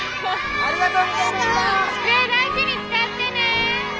・ありがとう！